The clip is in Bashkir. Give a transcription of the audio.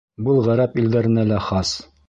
Был ғәрәп илдәренә лә хас.